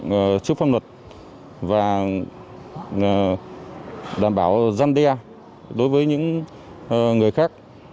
đối tượng chức phong luật và đảm bảo giam đe đối với những người khác